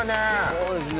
そうですね